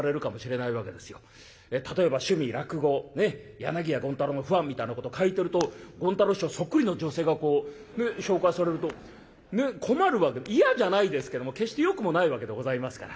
例えば「趣味落語柳家権太楼のファン」みたいなことを書いてると権太楼師匠そっくりの女性がこうね紹介されると困るわけ嫌じゃないですけども決してよくもないわけでございますから。